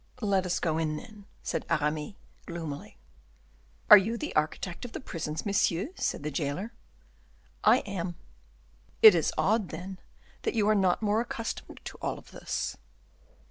"Let us go in, then," said Aramis, gloomily. "Are you the architect of the prisons, monsieur?" said the jailer. "I am." "It is odd, then, that you are not more accustomed to all this."